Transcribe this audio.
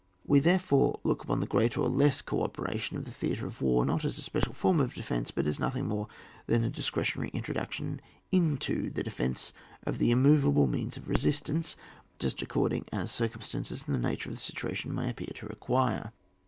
We therefore look upon the greater or less co operation of the theatre of war, not as a special form of defence, but as nothing more than a discretionary introduction into the defence of the immovable means of resistance, just according as circum stances and the nature of the situation may appear to require.